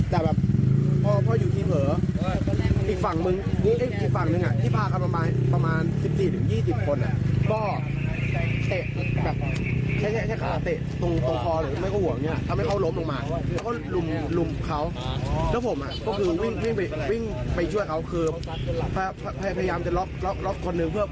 ลุมเขาแล้วผมอ่ะก็คือวิ่งวิ่งไปช่วยเขาคือพยายามจะล็อคล็อคล็อคล็อคคนหนึ่งเพื่อ